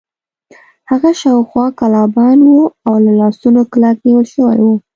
هغه شاوخوا کلابند و او له لاسونو کلک نیول شوی و.